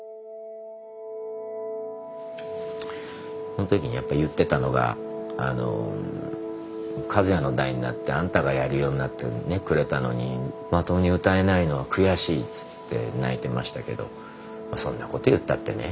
その時にやっぱり言ってたのが「和也の代になってあんたがやるようになってくれたのにまともに歌えないのは悔しい」って泣いてましたけどそんな事言ったってね。